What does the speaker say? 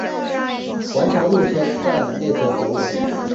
王桥路车站列车服务。